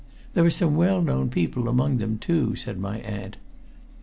There are some well known people among them, too," said my aunt.